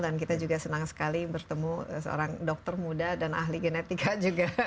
dan kita juga senang sekali bertemu seorang dokter muda dan ahli genetika juga